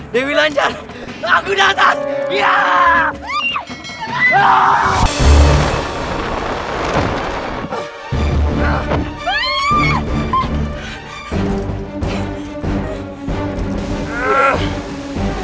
dewi lanjar aku datang